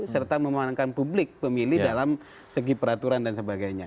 serta memenangkan publik pemilih dalam segi peraturan dan sebagainya